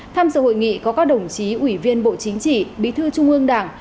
tham dự hội nghị có các đồng chí ủy viên bộ chính trị bí thư trung ương đảng